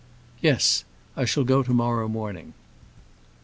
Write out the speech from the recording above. "Yes; I shall go to morrow morning."